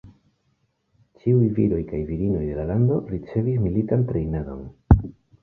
Ĉiuj viroj kaj virinoj de la lando ricevis militan trejnadon.